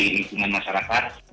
dari lingkungan masyarakat